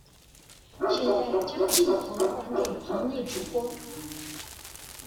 現在將鏡頭還給棚內主播